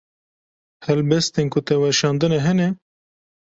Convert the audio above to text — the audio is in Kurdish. Helbestên ku te weşandine hene?